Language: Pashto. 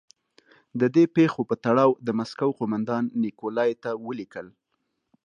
د دې پېښو په تړاو د مسکو قومندان نیکولای ته ولیکل.